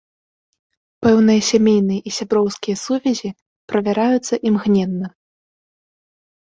Пэўныя сямейныя і сяброўскія сувязі правяраюцца імгненна.